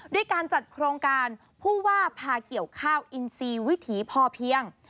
ด้วยการจัดโครงการผู้ว่าพาเกี่ยวข้าวอินซีวิถีพอเพียง